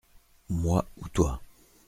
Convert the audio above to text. Moi ou toi.